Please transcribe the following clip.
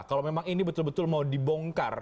kalau memang ini betul betul mau dibongkar